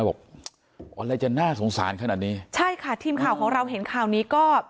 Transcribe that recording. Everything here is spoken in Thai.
บอกอะไรจะน่าสงสารขนาดนี้ใช่ค่ะทีมข่าวของเราเห็นข่าวนี้ก็